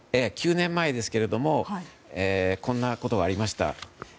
９年前ですがこんなことがありました。